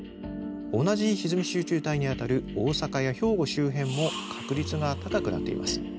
同じひずみ集中帯にあたる大阪や兵庫周辺も確率が高くなっています。